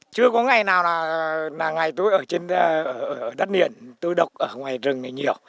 chưa có ngày nào là ngày tôi ở trên đất niền tôi đọc ở ngoài rừng này nhiều